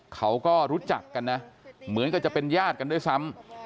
เขาก็รู้จักกันนะเหมือนกับจะเป็นญาติกันด้วยซ้ำ